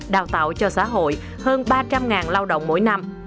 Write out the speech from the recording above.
đào tạo cho xã hội hơn ba trăm linh lao động mỗi năm